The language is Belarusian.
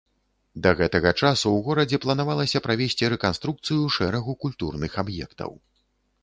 Да гэтага часу ў горадзе планавалася правесці рэканструкцыю шэрагу культурных аб'ектаў.